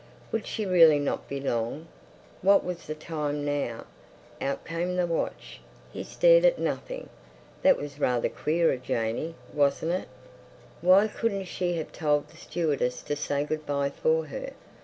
Would she really not be long? What was the time now? Out came the watch; he stared at nothing. That was rather queer of Janey, wasn't it? Why couldn't she have told the stewardess to say good bye for her?